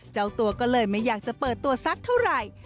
เจ้าตัวก็เลยไม่อยากจะเปิดตัวสักเท่าไหร่